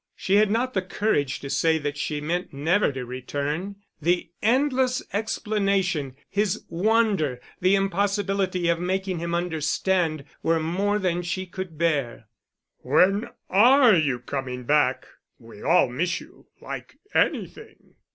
She had not the courage to say that she meant never to return: the endless explanation, his wonder, the impossibility of making him understand, were more than she could bear. "When are you coming back? We all miss you, like anything."